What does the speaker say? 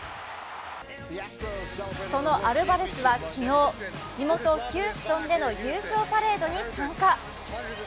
そのアルバレスは昨日、地元ヒューストンでの優勝パレードに参加。